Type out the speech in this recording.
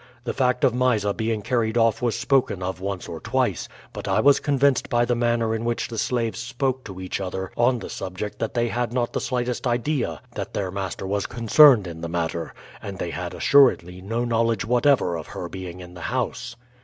The fact of Mysa being carried off was spoken of once or twice; but I was convinced by the manner in which the slaves spoke to each other on the subject that they had not the slightest idea that their master was concerned in the matter, and they had assuredly no knowledge whatever of her being in the house.